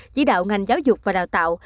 chỉ đạo ngành giáo dục và đào tạo